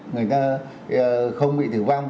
người ta không bị tử vang